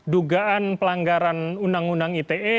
dugaan pelanggaran undang undang ite